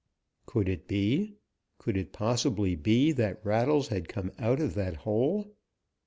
Could it be, could it possibly be that Rattles had come out of that hole?